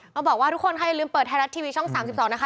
บอกว่าทุกคนค่ะอย่าลืมเปิดไทยรัฐทีวีช่อง๓๒นะคะ